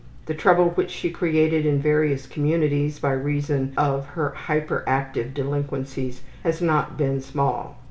The trouble which she created in various communities by reason of her hyperactive delinquencies has not been small.